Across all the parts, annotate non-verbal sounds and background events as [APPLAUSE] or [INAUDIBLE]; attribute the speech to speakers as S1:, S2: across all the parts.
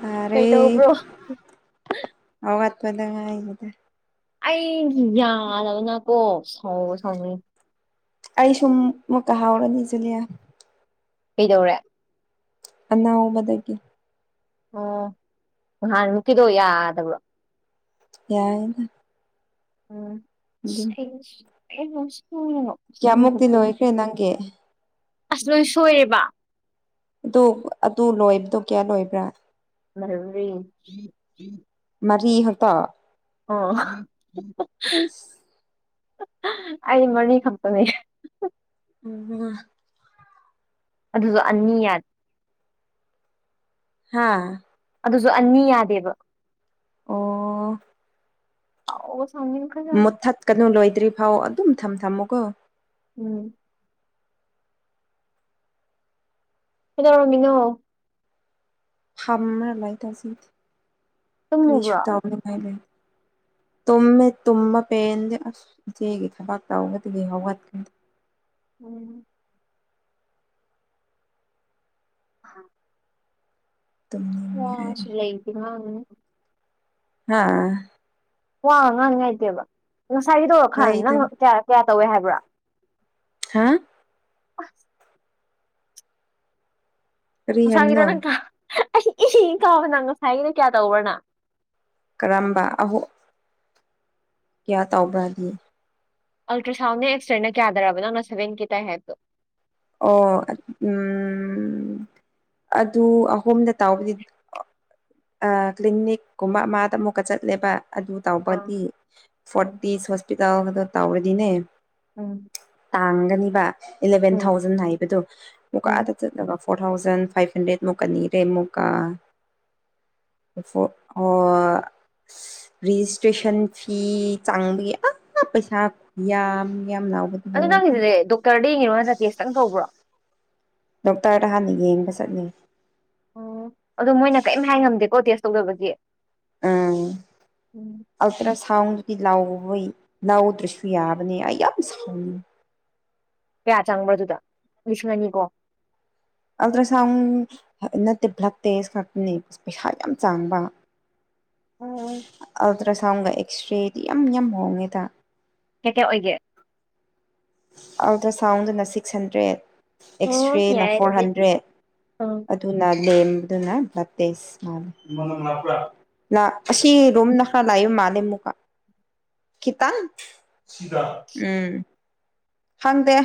S1: ꯐꯔꯦ
S2: ꯀꯩꯗꯧꯕ꯭ꯔꯣ
S1: ꯍꯧꯒꯠꯄꯗ ꯉꯥꯏꯔꯤꯗ
S2: ꯏ ꯌꯥꯗꯗꯅ ꯀꯣ ꯁꯥꯎꯕꯨ ꯁꯥꯎꯅꯤꯡ
S1: ꯑꯩ ꯁꯨꯝ ꯃꯨꯛꯀ ꯍꯥꯎꯔꯅꯤ ꯖꯨꯂꯤꯌꯥ
S2: ꯀꯩꯗꯧꯔꯦ
S1: ꯑꯅꯧꯕꯗꯒꯤ
S2: ꯑꯣ ꯅꯍꯥꯟꯃꯨꯛꯀꯤꯗꯣ ꯌꯥꯗꯕ
S1: ꯌꯥꯏꯌꯦꯗ
S2: ꯎꯝ ꯊꯦꯡꯁ [UNINTELLIGIBLE]
S1: ꯀꯤꯌꯥꯃꯨꯛꯇꯤ ꯂꯣꯏꯈ꯭ꯔꯦ ꯅꯪꯒꯤ
S2: ꯑꯁ ꯂꯣꯏ ꯁꯣꯏꯔꯦꯕ
S1: ꯑꯗꯨ ꯑꯗꯨ ꯂꯣꯏꯕꯗꯣ ꯀꯌꯥ ꯂꯣꯏꯕ꯭ꯔꯥ
S2: ꯃꯔꯤ
S1: ꯃꯔꯤꯈꯛꯇ
S2: ꯑꯣ
S1: ꯏꯁ
S2: ꯑꯩ ꯃꯔꯤ ꯈꯛꯇꯅꯦ
S1: ꯎꯝ
S2: ꯑꯗꯨꯖꯨ ꯑꯅꯤ ꯌꯥꯟ
S1: ꯍꯥꯥ
S2: ꯑꯗꯨꯁꯨ ꯑꯅꯤ ꯌꯥꯗꯦꯕ
S1: ꯑꯣ
S2: ꯑꯥꯎ
S1: ꯃꯨꯠꯊꯠꯀꯅꯨ ꯂꯣꯏꯗ꯭ꯔꯤꯐꯥꯎ ꯑꯗꯨꯝ ꯊꯝ ꯊꯝꯃꯨꯀꯣ
S2: ꯎꯝ ꯀꯩꯗꯧꯔꯝꯃꯤꯅꯣ ꯇꯨꯝꯃꯨꯕ꯭ꯔꯣ
S1: [UNINTELLIGIBLE]
S2: [INAUDIBLE]
S1: ꯨꯇꯨꯝꯃꯦ ꯇꯨꯝꯃ ꯄꯦꯟꯗꯦ ꯑꯁ ꯏꯆꯦꯒꯤ ꯊꯕꯛ ꯇꯧꯕꯗꯒꯤ ꯍꯧꯒꯠꯈꯤ
S2: ꯎꯝ [UNINTELLIGIBLE]
S1: ꯇꯨꯝꯅꯤꯡꯉꯦ ꯑꯩ
S2: ꯋꯥꯁꯨ ꯂꯩꯗꯤ ꯉꯥꯡꯒꯅꯤ
S1: ꯍꯥꯥ
S2: ꯋꯥ ꯉꯥꯡꯅꯤꯉꯥꯏꯇꯦꯕ ꯉꯁꯥꯏꯒꯤꯗꯣ ꯈꯥꯟ ꯅꯪ
S1: ꯂꯩꯇꯝ
S2: ꯀꯌꯥ ꯀꯌꯥ ꯇꯧꯋꯦ ꯍꯥꯏꯕ꯭ꯔꯥ
S1: ꯍꯥ
S2: ꯑꯁ
S1: ꯀꯔꯤ
S2: ꯉꯁꯥꯏꯒꯤꯗꯣ ꯅꯪ
S1: ꯍꯥꯏꯕꯅꯣ
S2: ꯀ꯭ꯌꯥ ꯑꯩ ꯏ ꯀꯥꯕꯅ ꯉꯁꯥꯏꯒꯤꯗꯣ ꯀꯌꯥ ꯇꯧꯕ꯭ꯔꯥ ꯅ
S1: ꯀꯔꯝꯕ ꯑꯍꯣ ꯀ꯭ꯌꯥ ꯇꯧꯕ꯭ꯔꯥꯗꯤ
S2: ꯑꯜꯇ꯭ꯔꯥꯁꯥꯎꯟꯅꯦ ꯑꯦꯛꯁꯔꯦꯅꯦ ꯀꯌꯥꯗꯔꯥꯕ ꯅꯪꯅ ꯁꯕꯦꯟ ꯀꯦ ꯇꯥꯏ ꯍꯥꯏꯗꯣ
S1: ꯑꯣ ꯑꯗ ꯎꯝ ꯑꯗꯨ ꯑꯍꯨꯝꯗ ꯇꯧꯕꯗꯤ ꯑꯥ ꯀ꯭ꯂꯤꯅꯤꯛꯀꯨꯝꯕ ꯑꯃꯗ ꯑꯃꯨꯛꯀ ꯆꯠꯂꯦꯕ ꯑꯗꯨ
S2: ꯑꯥ
S1: ꯇꯧꯕꯗꯤ
S2: ꯑꯥ
S1: ꯐꯣꯔꯇꯤꯁ ꯍꯣꯁꯄꯤꯇꯥꯜ ꯑꯃꯗ ꯇꯧꯕꯗꯤꯅꯦ
S2: ꯎꯝ
S1: ꯍꯥꯡꯒꯅꯤꯕ ꯏꯂꯚꯦꯟ
S2: ꯎꯝ
S1: ꯊꯥꯎꯖꯟ ꯍꯥꯏꯕꯗꯣ ꯃꯨꯀꯥ
S2: ꯎꯝ
S1: ꯑꯥꯗ ꯆꯠꯅꯕ ꯐꯣꯔ ꯊꯥꯎꯖꯟ ꯐꯥꯏꯚ ꯍꯟꯗ꯭ꯔꯦꯗ ꯃꯨꯛꯀꯅꯤ ꯔꯦ ꯃꯨꯛꯀꯥ ꯐꯣ ꯑꯣ ꯔꯤꯖꯤꯁꯇ꯭ꯔꯦꯁꯟ ꯐꯤ ꯆꯡꯕꯒꯤ ꯑꯥ ꯄꯩꯁꯥ ꯈꯨꯌꯥꯝ ꯌꯥꯝ ꯂꯥꯎꯕꯗꯤ ꯂꯣꯏꯔꯦꯗ
S2: ꯀꯔꯤ ꯍꯦꯔꯣꯅ ꯇꯦꯁ ꯇꯪ ꯇꯧꯕ꯭ꯔꯣ
S1: ꯗꯣꯛꯇꯔꯗ ꯍꯥꯟꯅ ꯌꯦꯡꯕ ꯆꯠꯅꯤ
S2: ꯈꯪꯅꯕꯗꯤ
S1: ꯎꯝ ꯑꯜꯇ꯭ꯔꯥꯁꯥꯎꯟ ꯗꯤ ꯂꯧꯋꯤ ꯂꯥꯎꯗ꯭ꯔꯁꯨ ꯌꯥꯕꯅꯦ ꯑꯩ ꯌꯥꯝ ꯁꯥꯎꯅꯤꯡꯉꯤ
S2: ꯀꯌꯥ ꯆꯪꯕ꯭ꯔꯥ ꯗꯨꯗ ꯂꯤꯁꯤꯡ ꯑꯅꯤ ꯀꯣ
S1: ꯑꯜꯇ꯭ꯔꯁꯥꯎꯟ ꯅꯠꯇꯦ ꯕ꯭ꯂꯗ ꯇꯦꯁ ꯈꯛꯇꯅꯦ ꯄꯩꯁꯥ ꯌꯥꯝ ꯆꯪꯕ ꯁꯥꯎꯟꯒ ꯑꯦꯛꯁ꯭ꯔꯦꯗꯤ ꯌꯥꯝ ꯌꯥꯝ ꯍꯣꯡꯉꯦꯗ
S2: ꯀꯤꯌ ꯀꯤꯌ ꯑꯣꯏꯒꯦ
S1: ꯑꯜꯇ꯭ꯔꯥꯁꯥꯎꯟꯗꯅ ꯁꯤꯛꯁ ꯍꯟꯗ꯭ꯔꯦꯗ
S2: ꯑꯣ
S1: ꯑꯦꯛꯁ꯭ꯔꯦꯅ
S2: ꯌꯥꯏ
S1: ꯐꯣꯔ
S2: ꯑꯗꯨꯗꯤ
S1: ꯍꯟꯗ꯭ꯔꯦꯗ
S2: ꯑꯥ
S1: ꯑꯗꯨꯅ ꯂꯦꯝ ꯑꯃꯅ ꯕ꯭ꯂꯗ ꯇꯦꯁ꯭ꯠ ꯃꯥꯜꯂꯦ ꯃꯅꯝ ꯂꯥꯛꯄ꯭ꯔꯥ ꯂꯥꯛ ꯑꯁꯤ ꯒꯨꯝꯅ ꯈ ꯂꯥꯏꯕ ꯃꯥꯜꯂꯦ ꯃꯨꯛꯀ ꯈꯤꯇꯡ ꯁꯤꯔ ꯎꯝ ꯍꯪꯗꯦ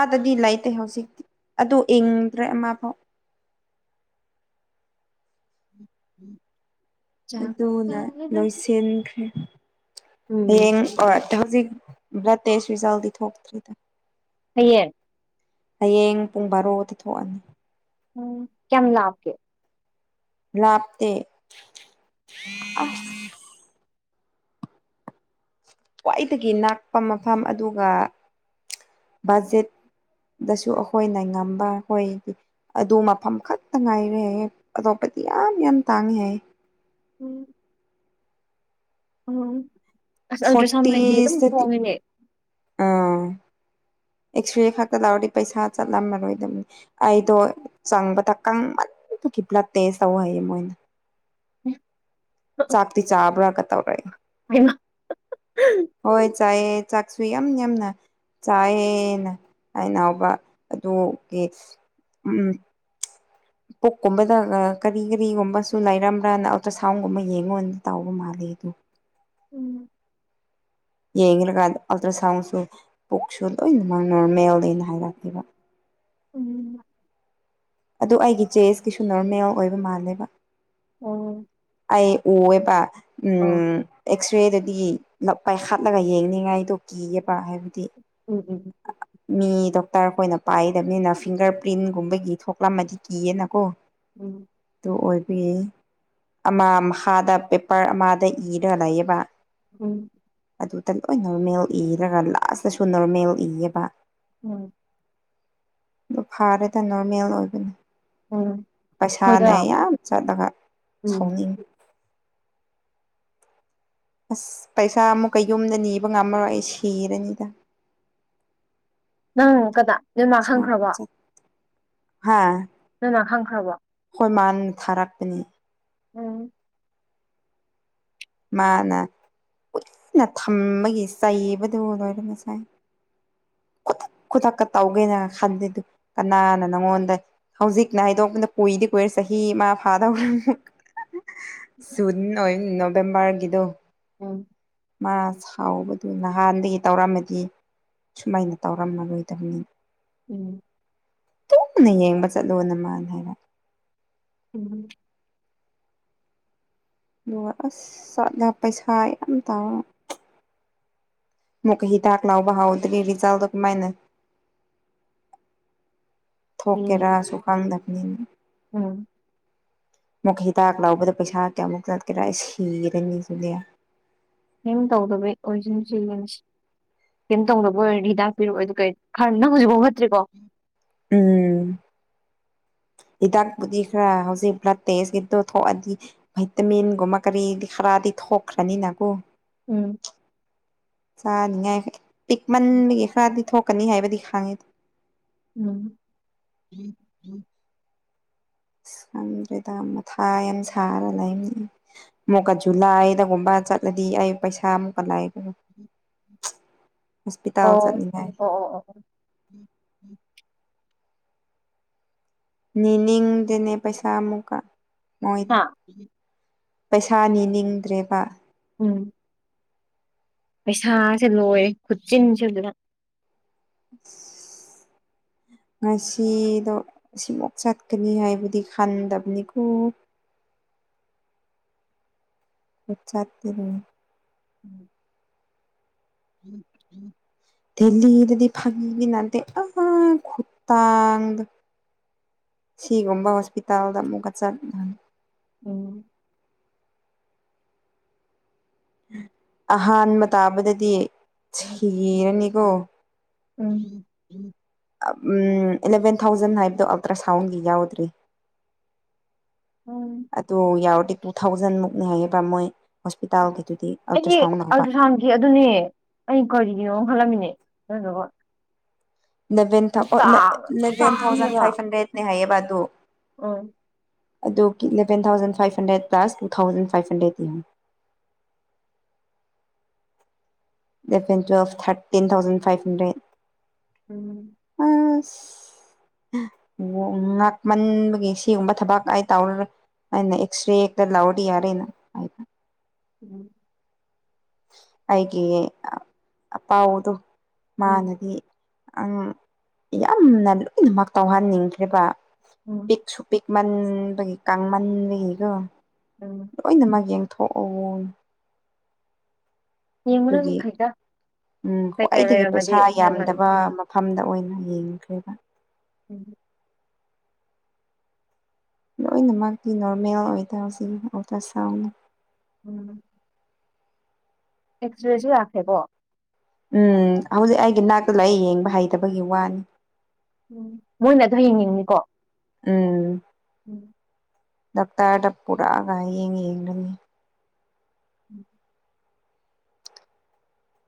S1: ꯑꯥꯗꯗꯤ ꯂꯩꯇꯦ ꯍꯧꯖꯤꯛꯇꯤ ꯑꯗꯨ ꯏꯡꯗ꯭ꯔꯦ ꯑꯃ ꯐꯥꯎ
S2: [INAUDIBLE] [INAUDIBLE] ꯆꯥꯛ
S1: ꯑꯗꯨꯅ
S2: ꯆꯥꯔꯦ
S1: ꯂꯣꯏꯁꯤꯟꯈ꯭ꯔꯦ
S2: ꯎꯝ
S1: ꯍꯌꯦꯡ ꯑꯣꯏ ꯍꯧꯖꯤꯛ ꯕ꯭ꯂꯠ ꯇꯦꯁ ꯔꯤꯖꯥꯜꯗꯤ ꯊꯣꯛꯇ꯭ꯔꯤꯗ
S2: ꯍꯩꯌꯦꯡ
S1: ꯍꯌꯦꯡ ꯄꯨꯡ ꯕꯥꯔꯣꯗ ꯊꯣꯛꯑꯅꯤ
S2: ꯎꯝ ꯀꯌꯥꯝ ꯂꯥꯞꯀꯦ
S1: ꯂꯥꯞꯇꯦ ꯑꯥ [INAUDIBLE] ꯈ꯭ꯋꯥꯏꯗꯒꯤ ꯅꯛꯄ ꯃꯐꯝ ꯑꯗꯨꯒ ꯕꯖꯦꯠ ꯗꯁꯨ ꯑꯩꯈꯣꯏꯅ ꯉꯝꯕ ꯍꯣꯏꯒꯤ ꯑꯗꯨ ꯃꯐꯝ ꯈꯛꯇ ꯉꯥꯏꯔꯦ ꯑꯇꯣꯞꯄꯗꯤ ꯌꯥꯝ ꯌꯥꯝ ꯇꯥꯡꯉꯦ ꯍꯥꯏ
S2: ꯎꯝ ꯎꯝ ꯑꯁ ꯑꯜꯇ꯭ꯔꯥꯁꯥꯎꯟ ꯃꯗꯤ ꯑꯗꯨꯝ
S1: ꯐꯣꯔꯇꯤꯁꯇꯗꯤ
S2: ꯐꯣꯟꯅꯦ [INAUDIBLE]
S1: ꯑꯥ ꯑꯦꯛꯁꯔꯦ ꯈꯛꯇ ꯂꯥꯎꯔꯗꯤ ꯄꯩꯁꯥ ꯆꯠꯂꯝꯃꯔꯣꯏꯗꯕꯅꯤ ꯑꯩꯗꯣ ꯆꯪꯕꯗ ꯀꯪ ꯃꯟ ꯑꯗꯨ ꯈꯤꯇꯂꯦ ꯇꯦꯁ ꯇꯧ ꯍꯥꯏꯌꯦ ꯃꯣꯏꯅ ꯆꯥꯛꯇꯤ ꯆꯥꯕ꯭ꯔꯥ ꯀꯇꯧꯔꯦ
S2: ꯍꯩꯃꯥ
S1: ꯍꯣꯏ ꯆꯥꯏ ꯆꯥꯛꯁꯨ ꯌꯥꯝ ꯌꯥꯝꯅ ꯆꯥꯏꯌꯦꯅ ꯑꯩꯅ ꯍꯧꯕ ꯑꯗꯨꯒꯤ ꯎꯝ
S2: [INAUDIBLE]
S1: ꯄꯨꯛꯀꯨꯝꯕꯗ ꯀꯔꯤ ꯀꯔꯤꯒꯨꯝꯕꯁꯨ ꯂꯩꯔꯝꯕ꯭ꯔꯅ ꯑꯜꯇ꯭ꯔ ꯁꯥꯎꯟꯒꯨꯝꯕ ꯌꯦꯡꯉꯣ ꯇꯥꯎꯕ ꯃꯥꯜꯂꯦ ꯑꯗꯣ
S2: ꯎꯝ
S1: ꯌꯦꯡꯈ꯭ꯔꯀꯥꯟ ꯑꯜꯇ꯭ꯔ ꯁꯥꯎꯟꯁꯨ ꯄꯨꯛꯁꯨ ꯂꯣꯏꯅꯃꯛ ꯅꯣꯔꯃꯦꯜꯅ ꯍꯥꯏꯔꯛꯑꯦꯛꯕ
S2: ꯎꯝ
S1: ꯑꯗꯨ ꯑꯩꯒꯤ ꯆꯦꯁꯀꯤꯁꯨ ꯅꯣꯔꯃꯦꯜ ꯑꯣꯏꯕ ꯃꯥꯜꯂꯦꯕ
S2: ꯑꯣ
S1: ꯑꯩ ꯎꯑꯦꯕ ꯑꯦꯛꯁ꯭ꯔꯦꯗꯗꯤ ꯂꯒ ꯍꯥꯞꯄꯒ ꯌꯦꯡꯅꯤꯡꯉꯥꯏꯗꯣ ꯀꯤꯌꯦꯕ ꯍꯥꯏꯕꯗꯤ
S2: ꯎꯝ ꯎꯝ
S1: ꯑꯥ ꯃꯤ ꯗꯣꯛꯇꯔ ꯑꯩꯈꯣꯏꯅ ꯄꯥꯏꯗꯕꯅꯤꯅ ꯐꯤꯡꯒꯔ ꯄ꯭ꯔꯤꯟꯒꯨꯝꯕꯒꯤ ꯊꯣꯛꯂꯝꯃꯗꯤ ꯀꯤꯌꯦꯅꯀꯣ
S2: ꯎꯝ
S1: ꯑꯣꯏꯕꯤꯌꯦ ꯑꯃꯥꯗ ꯄꯦꯄꯔ ꯑꯃꯗ ꯏꯔ ꯂꯩꯌꯦꯕ
S2: ꯎꯝ
S1: ꯑꯗꯨꯗ ꯂꯣꯏ ꯅꯣꯔꯃꯦꯜ ꯏꯔꯒ ꯂꯥꯁꯇꯁꯨ ꯅꯣꯔꯃꯦꯜ ꯏꯌꯦꯕ
S2: ꯎꯝ
S1: ꯑꯗꯨ ꯐꯥꯔꯦꯗ ꯅꯣꯔꯃꯦꯜ ꯑꯣꯏꯕꯅꯦ
S2: ꯎꯝ
S1: ꯄꯩꯁꯥꯅ
S2: ꯍꯣꯏꯗ
S1: ꯌꯥꯝ ꯆꯠꯂꯒ
S2: ꯎꯝ
S1: ꯁꯥꯎꯅꯤꯡꯉꯤ ꯑꯁ ꯄꯩꯁꯥ ꯑꯃꯨꯛꯀ ꯌꯨꯝꯗ ꯅꯤꯕ ꯉꯝꯃꯔꯣꯏ ꯑꯩ ꯁꯤꯔꯅꯤꯗ
S2: ꯅꯪ ꯀꯅꯥ ꯅꯣꯏꯃ ꯈꯪꯈ꯭ꯔꯕꯣ
S1: ꯍꯥꯥ
S2: ꯅꯣꯏꯃꯥ ꯈꯪꯈ꯭ꯔꯕꯣ
S1: ꯑꯩꯈꯣꯏ ꯃꯥꯅ ꯊꯥꯔꯛꯄꯅꯤ
S2: ꯎꯝ
S1: ꯃꯥꯅ ꯀꯨꯏꯅ ꯊꯝꯕꯒꯤ ꯆꯩꯕꯗꯨ ꯂꯣꯏꯔꯦ ꯉꯁꯥꯏ ꯈꯨꯗꯛ
S2: [INAUDIBLE]
S1: ꯈꯨꯗꯛꯀ ꯇꯧꯒꯦꯅ ꯈꯟꯗꯦꯗꯨ ꯀꯅꯥꯅ ꯅꯪꯉꯣꯟꯗ ꯍꯧꯖꯤꯛꯅ ꯍꯥꯏꯗꯣꯛꯄꯗ ꯀꯨꯏꯗꯤ ꯀꯨꯏꯔꯁꯦ ꯆꯍꯤ ꯑꯃ ꯐꯥꯗꯧ ꯖꯨꯟ ꯑꯣꯏ ꯅꯣꯕꯦꯝꯕ꯭ꯔꯒꯤꯗꯣ
S2: ꯎꯝ
S1: ꯑ ꯁꯥꯎꯕꯗꯨ ꯅꯍꯥꯟꯗꯒꯤ ꯇꯧꯔꯝꯃꯗꯤ ꯁꯨꯃꯥꯏꯅ ꯇꯧꯔꯝꯃꯔꯣꯏꯗꯕꯅꯤꯅ
S2: ꯎꯝ
S1: ꯇꯨꯅ ꯌꯦꯡꯕ ꯆꯠꯂꯣ ꯃꯥꯅ ꯍꯥꯏꯕ
S2: ꯎꯝ
S1: ꯑꯗꯨꯒ ꯑꯁ ꯆꯠꯅ ꯄꯩꯁꯥ ꯌꯥꯝ ꯇꯥꯌꯦ ꯃꯨꯛꯀꯥ ꯍꯤꯗꯥꯛ ꯂꯧꯕ ꯍꯧꯗ꯭ꯔꯤ [UNINTELLIGIBLE] ꯀꯃꯥꯏꯅ
S2: [INAUDIBLE] ꯎꯝ
S1: ꯊꯣꯛꯀꯦꯔꯥꯁꯨ ꯈꯪꯗꯕꯅꯤꯅ
S2: ꯎꯝ
S1: ꯑꯃꯨꯛꯀꯥ ꯍꯤꯗꯥꯛ ꯂꯥꯎꯕꯗ ꯄꯩꯁꯥ ꯀꯌꯥꯃꯨꯛꯇ ꯆꯠꯀꯦꯔ ꯑꯩ ꯁꯤꯔꯅꯤ ꯁꯤꯗꯤ
S2: [UNINTELLIGIBLE] ꯀꯩꯝ ꯇꯧꯗꯕ ꯑꯣꯏꯔꯗꯤ ꯍꯤꯗꯥꯛ ꯄꯤꯔꯛꯑꯣ ꯑꯗꯨ ꯀ ꯈꯔ ꯅꯪ ꯍꯧꯖꯤꯛꯐꯥꯎ ꯐꯠꯇ꯭ꯔꯤꯀꯣ
S1: ꯎꯝ
S2: [INAUDIBLE]
S1: ꯍꯤꯗꯥꯛꯄꯨꯗꯤ ꯈꯔ ꯍꯧꯖꯤꯛ ꯕ꯭ꯂꯠ ꯇꯦꯁꯀꯤꯗꯣ ꯊꯣꯛꯑꯗꯤ ꯚꯥꯏꯇꯃꯤꯟꯒꯨꯝꯕ ꯀꯔꯤ ꯈꯔꯗꯤ ꯊꯣꯛꯈ꯭ꯔꯥꯅꯤ ꯅꯀꯣ
S2: ꯎꯝ
S1: ꯆꯥꯅꯤꯉꯥꯏ ꯄꯤꯛꯃꯟꯕꯒꯤ ꯈꯔꯗꯤ ꯊꯣꯛꯀꯅꯤ ꯍꯥꯏꯕꯗꯤ ꯈꯥꯡꯉꯤ
S2: ꯎꯝ
S1: ꯢꯁ ꯈꯪꯗ꯭ꯔꯦꯗ ꯃꯊꯥ ꯌꯥꯝ ꯁꯥꯔ ꯂꯩ ꯑꯃꯨꯛꯀ ꯖꯨꯂꯥꯏꯗꯒꯨꯝꯕ ꯆꯠꯂꯗꯤ ꯑꯩ ꯄꯩꯁꯥ ꯑꯃꯨꯛꯀ ꯂꯥꯏꯔꯣꯢ
S2: ꯑꯣ
S1: ꯆꯠꯅꯤꯡꯉꯥꯏ
S2: ꯑꯣ ꯑꯣ
S1: ꯅꯤꯅꯤꯡꯗꯦꯅꯦ ꯄꯩꯁꯥ ꯑꯃꯨꯛꯀ ꯃꯣꯏꯗ
S2: ꯍꯥ
S1: ꯄꯩꯁꯥ ꯅꯤ ꯅꯤꯡꯗ꯭ꯔꯦꯕ
S2: ꯎꯝ ꯄꯩꯁꯥꯁꯦ ꯂꯣꯏ ꯈꯨꯆꯤꯟꯁꯦ ꯑꯗꯨꯅ
S1: ꯑꯁ ꯉꯁꯤꯗꯣ ꯁꯤꯃꯨꯛ ꯆꯠꯀꯅꯤ ꯍꯥꯏꯕꯨꯗꯤ ꯈꯟꯗꯕꯅꯤꯀꯣ
S2: [INAUDIBLE]
S1: [UNINTELLIGIBLE]
S2: [INAUDIBLE] [INAUDIBLE]
S1: ꯗꯦꯜꯂꯤꯗꯗꯤ ꯐꯥꯒꯤ ꯅꯠꯇꯦ ꯈꯨꯠꯇꯥꯡꯗꯣ ꯁꯤꯒꯨꯝꯕ ꯍꯣꯁꯄꯤꯇꯥꯜꯗ ꯑꯃꯨꯛꯀ ꯆꯠ
S2: ꯎꯝ
S1: ꯑꯍꯥꯟꯕ ꯇꯥꯕꯗꯗꯤ ꯁꯤꯔꯅꯤꯀꯣ
S2: ꯎꯝ
S1: ꯑꯦꯂꯚꯦꯟ ꯊꯥꯎꯖꯟ ꯍꯥꯏꯕꯗꯣ ꯑꯜꯇ꯭ꯔ ꯁꯥꯎꯟꯒꯤ ꯌꯥꯎꯗ꯭ꯔꯤ
S2: ꯎꯝ
S1: ꯑꯗꯨ ꯌꯥꯎꯔꯗꯤ ꯇꯨ ꯊꯥꯎꯖꯟ ꯃꯨꯛꯅꯤ ꯍꯥꯏꯌꯦꯗ ꯃꯣꯏ
S2: ꯑꯦ
S1: ꯍꯣꯁꯄꯤꯇꯥꯜꯒꯤꯗꯨꯗꯤ ꯑꯜꯇ꯭ꯔ
S2: ꯑꯩꯗꯤ
S1: ꯁꯥꯎꯟ ꯂꯧꯕ
S2: ꯑꯜꯇ꯭ꯔꯥꯁꯥꯎꯟꯒꯤ ꯑꯗꯨꯅꯦ ꯑꯩ ꯀꯔꯤ ꯒꯤꯅꯣ ꯈꯟꯂꯝꯃꯤꯅꯦ ꯑꯗꯨꯗꯨꯒ
S1: ꯂꯚꯦꯟ ꯊꯥꯎ [UNINTELLIGIBLE]
S2: ꯇꯥꯡ
S1: ꯢꯂꯚꯦꯟ ꯊꯥꯎꯖꯟ ꯐꯥꯏꯚ ꯍꯟꯗ꯭ꯔꯦꯠꯅꯦ ꯍꯥꯏꯌꯦꯕ ꯑꯗꯨ
S2: ꯑꯣꯢ
S1: ꯑꯗꯨ ꯀꯤ eleven thousand five hundred plus two thousand five hundred ꯇꯨ ꯌꯦꯡꯑꯣ
S2: [UNINTELLIGIBLE]
S1: eleven twelve thirteen thousand five hundred
S2: ꯎꯝ
S1: ꯑꯁ ꯉꯥꯛꯃꯟꯕꯒꯤ ꯁꯤꯒꯨꯝꯕ ꯊꯕꯛ ꯑꯩ ꯇꯧꯔꯔꯦꯢ ꯑꯅ ꯑꯦꯛꯁꯔꯦꯗ ꯂꯧꯔꯦꯗꯤ ꯌꯥꯔꯦꯅ ꯍꯥꯢꯕ
S2: ꯎꯝ
S1: ꯑꯩꯒꯤ ꯄꯥꯎꯗꯣ
S2: ꯎꯝ
S1: ꯃꯥꯅꯗꯤ ꯌꯥꯝꯅ ꯂꯣꯏꯅꯃꯛ ꯇꯧꯍꯟꯅꯤꯡꯈ꯭ꯔꯤꯕ
S2: ꯎꯝ
S1: ꯄꯤꯛꯁꯨ ꯄꯤꯛ ꯃꯟꯕꯒꯤ ꯀꯥꯡꯃꯟꯕꯒꯤꯀꯣ
S2: ꯎꯝ
S1: ꯂꯣꯏꯅꯃꯛ ꯌꯦꯡ ꯊꯣꯛꯎꯟ
S2: ꯌꯦꯡꯕꯅꯁꯨ
S1: ꯑꯗꯨꯒꯤ
S2: ꯐꯩꯗ
S1: ꯎꯝ
S2: ꯀꯩꯀꯩ
S1: ꯈ꯭ꯋꯥꯏꯗꯒꯤ ꯄꯩꯁꯥ
S2: ꯂꯩꯔꯝꯃꯗꯤ ꯍꯥꯏꯕꯅꯤ
S1: ꯌꯥꯝꯗꯕ ꯃꯐꯝꯗ ꯑꯣꯏꯅ ꯌꯦꯡꯈ꯭ꯔꯦꯕ
S2: ꯎꯝ ꯍꯨ
S1: ꯂꯣꯏꯅꯃꯛꯇꯤ ꯅꯣꯔꯃꯦꯜ ꯑꯣꯏꯗ ꯍꯧꯖꯤꯛ ꯑꯜꯇ꯭ꯔ ꯁꯥꯎꯟꯅꯤ
S2: ꯎꯝ ꯑꯦꯛꯖꯦꯔꯦꯁꯨ ꯌꯥꯈ꯭ꯔꯦꯀꯣ
S1: ꯎꯝ ꯍꯧꯖꯤꯛ ꯑꯩꯒꯤ ꯅꯥꯛꯇꯨꯗ ꯃꯩ ꯌꯦꯡꯕ ꯍꯩꯇꯕꯒꯤ ꯋꯥꯅꯤ
S2: ꯎꯝ ꯃꯣꯏꯅ ꯑꯗꯨ ꯍꯌꯦꯡ ꯌꯦꯡꯅꯤꯀꯣ
S1: ꯎꯝ
S2: [INAUDIBLE]
S1: ꯗꯥꯛꯇ꯭ꯔꯗ ꯄꯨꯔꯛꯑꯒ ꯍꯌꯦꯡ ꯌꯦꯡꯒꯅꯤ
S2: ꯎꯝ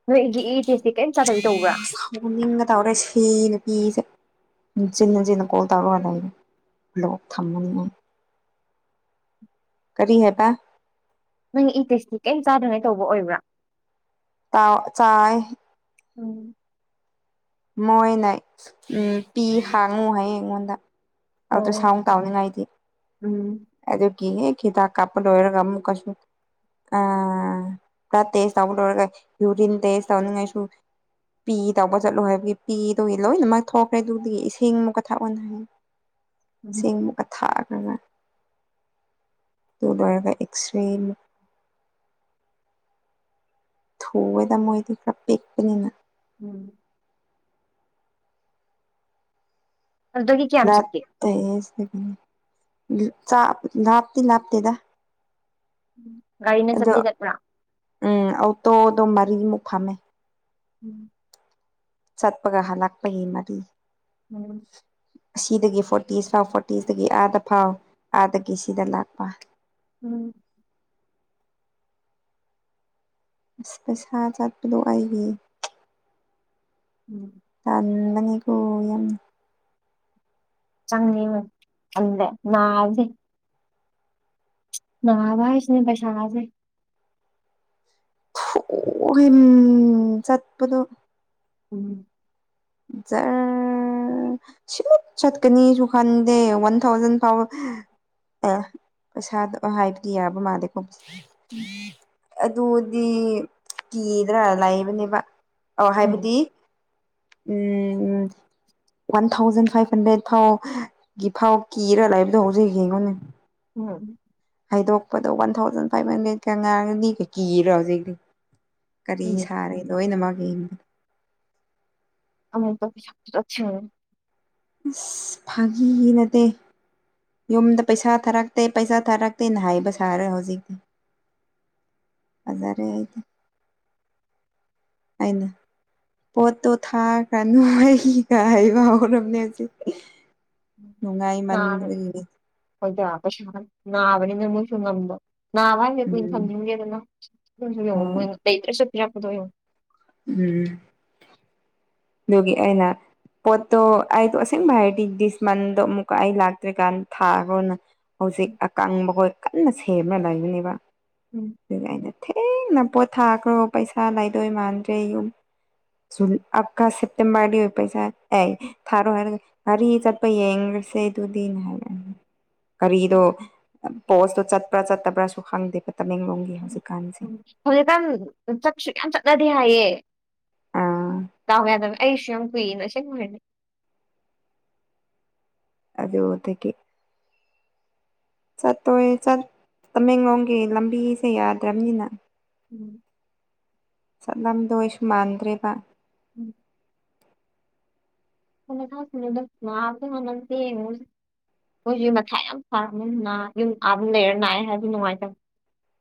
S2: ꯅꯣꯏꯒꯤ ꯏ ꯇꯦꯁꯇꯤ ꯀꯔꯤꯝ ꯆꯥꯗꯕꯤ ꯇꯧꯕ꯭ꯔꯥ
S1: ꯐꯨꯅꯤꯡꯒꯗꯧꯔꯦ ꯁꯤ ꯅꯨꯄꯤꯁꯦ ꯍꯟꯖꯤꯟ ꯍꯟꯖꯤꯟ ꯀꯣꯜ ꯇꯧꯔꯒ ꯂꯩꯔꯦ ꯕ꯭ꯂꯣꯛ ꯊꯝꯃꯅꯤꯃꯥ ꯀꯔꯤ ꯍꯥꯏꯕ
S2: ꯅꯪꯒꯤ ꯏ ꯇꯦꯁꯇꯤ ꯀꯩꯝ ꯆꯥꯗꯔꯤꯉꯩ ꯇꯧꯕ ꯑꯣꯏꯕ꯭ꯔꯥ
S1: ꯇꯥꯎ ꯆꯥꯏꯌꯦ
S2: ꯎꯝ
S1: ꯃꯣꯏꯅ ꯎꯝ ꯄꯤ ꯍꯥꯡꯉꯨ ꯍꯥꯏꯌꯦ ꯑꯩꯉꯣꯟꯗ ꯑꯥꯗ
S2: ꯑꯣ
S1: ꯁꯥꯎꯟ ꯇꯥꯎꯅꯤꯉꯥꯏꯒꯤ
S2: ꯎꯝ
S1: ꯑꯗꯨ ꯀꯤ ꯍꯦꯛ ꯍꯤꯗꯥꯛ ꯀꯥꯞꯄ ꯂꯣꯏꯔꯒ ꯑꯃꯨꯛꯀꯁꯨ ꯑꯥ ꯕ꯭ꯂꯠ ꯇꯦꯁ ꯇꯧꯕ ꯂꯣꯏꯒ ꯌꯨꯔꯤꯟ ꯇꯦꯁ ꯇꯧꯅꯤꯉꯥꯏꯁꯨ ꯄꯤ ꯇꯧꯕ ꯆꯠꯂꯣ ꯍꯥꯏꯕꯒꯤ ꯄꯤꯗꯨꯒꯤ ꯂꯣꯏꯅꯃꯛ ꯊꯣꯛꯈ꯭ꯔꯦ ꯗꯨꯗꯤ ꯏꯁꯤꯡꯃꯨꯛꯀ ꯊꯥꯛ ꯑꯣꯅ ꯍꯥꯏ ꯏꯁꯤꯡ
S2: ꯎꯝ
S1: ꯃꯨꯛꯀ ꯊꯥꯛꯑꯗꯅ ꯗꯨ ꯂꯣꯏꯔꯒ ꯑꯦꯛꯁ꯭ꯔꯦ ꯃꯨꯛ ꯊꯣꯑꯣꯏꯅ ꯃꯣꯏꯗꯤ ꯈꯥꯔ ꯄꯦꯛꯄꯅꯤꯅ
S2: ꯎꯝ ꯑꯗꯨꯗꯒꯤ ꯀꯌꯥꯝ ꯆꯠꯀꯦ
S1: ꯂꯥꯞꯇꯦ ꯆꯥ ꯂꯥꯞꯇꯤ ꯂꯥꯞꯇꯦꯗ
S2: ꯒꯥꯔꯤꯅ
S1: ꯑꯗꯣ
S2: ꯆꯠꯇꯤ ꯆꯠꯄ꯭ꯔꯥ
S1: ꯎꯝ ꯑꯣꯇꯣꯗꯣ ꯃꯔꯤꯃꯨꯛ ꯐꯝꯃꯦ
S2: ꯎꯝ
S1: ꯆꯠꯄꯒ ꯍꯥꯂꯛꯄꯒꯤ ꯃꯔꯤ
S2: ꯎꯝ
S1: ꯑꯁꯤꯗꯒꯤ ꯐꯣꯔꯇꯤꯁ ꯐꯥꯎ ꯐꯣꯔꯇꯤꯁꯇꯒꯤ ꯑꯥꯗ ꯐꯥꯎ ꯑꯥꯗꯒꯤ ꯁꯤꯗ ꯂꯥꯛꯄ
S2: ꯎꯝ
S1: ꯑꯁ ꯄꯩꯁꯥ ꯆꯠꯄꯗꯣ ꯑꯩꯒꯤ
S2: ꯎꯝ
S1: ꯇꯟꯕꯅꯤ ꯀꯣ ꯌꯥꯝꯅ
S2: ꯆꯪꯅꯤꯡ ꯈꯪꯗꯦ ꯅꯥꯕꯁꯤ ꯅꯥꯕ ꯍꯥꯏꯁꯤꯅꯦ ꯄꯩꯁꯥꯥ ꯍꯥꯏꯁꯦ
S1: ꯊꯨ [UNINTELLIGIBLE] ꯆꯠꯄꯗꯣ
S2: ꯎꯝ
S1: ꯖ꯭ꯔ ꯎꯝ ꯁꯤꯠ ꯆꯠꯀꯅꯤꯁꯨ ꯈꯟꯗꯦ ꯋꯥꯟ ꯊꯥꯎꯖꯟ ꯐꯥꯎ ꯑꯦ ꯄꯩꯁꯥꯗꯣ ꯍꯥꯏꯕꯗꯤ ꯌꯥꯕ ꯃꯥꯜꯂꯦꯀꯣ
S2: ꯎꯝ
S1: ꯑꯗꯨꯗꯤ ꯀꯤꯗ꯭ꯔꯥ ꯂꯩꯕꯅꯦꯕ ꯑꯧ
S2: ꯎꯝ
S1: ꯍꯥꯏꯕꯗꯤ ꯎꯝ ꯋꯥꯟ ꯊꯥꯎꯖꯟ ꯐꯥꯏꯚ ꯍꯟꯗ꯭ꯔꯦꯗ ꯐꯥꯎ ꯒꯤ ꯐꯥꯎ ꯀꯤꯔ ꯂꯥꯏꯕꯗꯣ ꯍꯧꯖꯤꯛ ꯌꯦꯡꯉꯣꯅꯦ
S2: [UNINTELLIGIBLE]
S1: ꯍꯥꯏꯗꯣꯛꯄꯗ ꯋꯥꯟ ꯊꯥꯎꯖꯟ ꯐꯥꯏꯚ ꯍꯟꯗ꯭ꯔꯦ ꯀꯥꯅꯒꯤ ꯃꯤꯕꯨ ꯀꯤꯔꯤꯔ ꯍꯧꯖꯤꯛꯇꯤ ꯀꯔꯤ
S2: ꯎꯝ
S1: ꯁꯥꯔꯦ ꯂꯣꯏꯅꯃꯥꯒꯤ
S2: ꯑꯃꯨꯕ ꯄꯤꯁꯛ ꯄꯤꯁꯛ ꯁꯤꯡ
S1: ꯏꯁ ꯐꯥꯒꯤ ꯅꯠꯇꯦ ꯌꯨꯝꯗ ꯄꯩꯁꯥ ꯊꯥꯔꯛꯇꯦ ꯄꯩꯁꯥ ꯊꯥꯔꯛꯇꯦꯅ ꯍꯥꯏꯕ ꯁꯥꯔ ꯍꯧꯖꯤꯛꯇꯤ ꯐꯖꯔꯦ ꯑꯩꯗꯤ ꯑꯩꯅ ꯄꯣꯠꯇꯣ ꯊꯥꯈ꯭ꯔꯅꯨ ꯑꯩꯒ ꯍꯩꯕ ꯍꯧꯔꯝꯅꯦ ꯍꯧꯖꯤꯛ ꯅꯨꯡꯉꯥꯏꯃꯟꯗꯕꯒꯤ
S2: ꯍꯣꯏꯗꯥ ꯀꯩꯁꯨ ꯍꯥꯏ ꯅꯥꯕꯅꯤꯅ ꯃꯣꯏꯁꯨ ꯉꯝꯕ ꯅꯥꯕ ꯍꯥꯏꯁꯦ ꯀꯨꯏꯅ
S1: ꯎꯝ
S2: ꯊꯝꯅꯤꯡꯗꯦꯗꯅ ꯑꯗꯨꯏꯁꯨ ꯌꯦꯡꯉꯨ
S1: ꯍꯣꯏ
S2: ꯃꯣꯏꯅ ꯂꯩꯗ꯭ꯔꯁꯨ ꯄꯤꯔꯛꯄꯗꯣ ꯌꯦꯡꯉꯨ
S1: ꯎꯝ ꯑꯗꯨꯒꯤ ꯑꯩꯅ ꯄꯣꯠꯇꯣ ꯑꯩꯗꯣ ꯑꯁꯦꯡꯕ ꯍꯥꯏꯔꯗꯤ ꯗꯤꯁ ꯃꯟꯗꯣ ꯑꯃꯨꯛꯀ ꯑꯩ ꯂꯥꯛꯇ꯭ꯔꯤꯀꯥꯟ ꯊꯥꯈꯣꯅ ꯍꯧꯖꯤꯛ ꯑꯀꯪꯕ ꯈꯣꯏ ꯀꯟꯅ ꯁꯦꯝꯃ ꯂꯩꯕꯅꯦꯕ
S2: ꯎꯝ
S1: ꯑꯗꯨꯅ ꯑꯩꯗꯣ ꯊꯦꯡꯅ ꯄꯣꯠ ꯊꯥꯈ꯭ꯔꯣ ꯄꯩꯁꯥ ꯂꯩꯥꯏꯗꯣꯏ ꯃꯥꯟꯗ꯭ꯔꯦ ꯌꯨꯝ ꯖꯨꯜ ꯑꯥꯞꯀ ꯁꯦꯞꯇꯦꯝꯕ꯭ꯔꯗꯤ ꯑꯣꯏ ꯄꯩꯁꯥ ꯑꯦ ꯊꯥꯔꯣ ꯍꯥꯏꯔꯒ ꯉꯥꯔꯤ ꯆꯠꯄ ꯌꯦꯡ ꯉꯁꯦ ꯑꯗꯨꯗꯤꯅ ꯍꯥꯏꯌꯦ ꯒꯔꯤꯗꯣ ꯄꯣꯁꯇꯣ ꯆꯠꯄ꯭ꯔꯥ ꯆꯠꯇꯕ꯭ꯔꯥꯁꯨ ꯈꯪꯗꯦꯕ ꯇꯃꯦꯡꯂꯣꯡꯒꯤ ꯍꯧꯖꯤꯛ
S2: ꯎꯝ ꯍꯧꯖꯤꯛꯀꯥꯟ ꯆꯠꯁꯨ ꯌꯥꯝ ꯆꯠꯅꯗꯦ ꯍꯥꯏꯌꯦ
S1: ꯑꯥ
S2: ꯗꯥꯎ ꯌꯥꯗꯕ ꯑꯩꯁꯨ ꯌꯥꯝ ꯀꯨꯏꯅ ꯑꯁꯦꯡꯕꯅꯦ
S1: ꯑꯗꯨꯗꯒꯤ ꯆꯠꯇꯣꯏ ꯆꯠ ꯇꯃꯦꯡꯂꯣꯡꯒꯤ ꯂꯝꯕꯤꯁꯦ ꯌꯥꯗ꯭ꯔꯝꯅꯤꯅ
S2: ꯎꯝ
S1: ꯆꯠꯂꯝꯗꯣꯏꯁꯨ ꯃꯥꯟꯗ꯭ꯔꯦꯕ
S2: [UNINTELLIGIBLE] ꯃꯣꯏꯖꯨ ꯃꯊꯥ ꯌꯥꯝ ꯁꯥꯔꯝꯃꯦ ꯅꯥ ꯌꯨꯝ ꯑꯥꯗ ꯂꯩꯔ ꯅꯥꯏꯑꯦ ꯍꯥꯏꯕꯗꯤ ꯅꯨꯡꯉꯥꯏꯇ